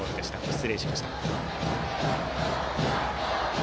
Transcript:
失礼しました。